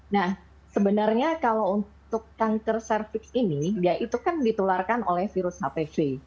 nah sebenarnya kalau untuk kanker cervix ini dia itu kan ditularkan oleh virus hpv